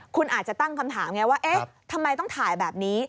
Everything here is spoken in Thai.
คุณอาจจะตั้งคำถามไงว่าเอ๊ะทำไมต้องถ่ายแบบนี้